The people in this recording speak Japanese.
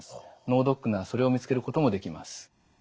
脳ドックならそれを見つけることもできます。